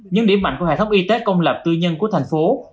những điểm mạnh của hệ thống y tế công lập tư nhân của thành phố